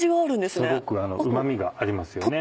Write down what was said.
すごくうま味がありますよね。